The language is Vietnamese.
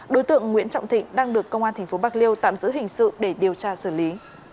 đối tượng nguyễn trọng thịnh đang được công an tp bạc liêu tạm giữ hình sự để điều tra xử lý